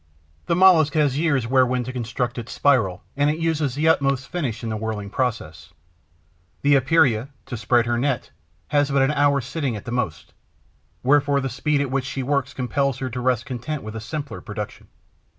The Mollusc has years wherein to construct its spiral and it uses the utmost finish in the whirling process. The Epeira, to spread her net, has but an hour's sitting at the most, wherefore the speed at which she works compels her to rest content with a simpler production.